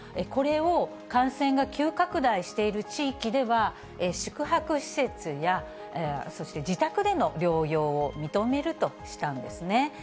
これを感染が急拡大している地域では、宿泊施設や、そして自宅での療養を認めるとしたんですね。